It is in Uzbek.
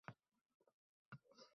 Bu sahnalar deyarli uchramaydi.